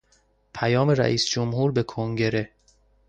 پیام رئیس جمهور به کنگره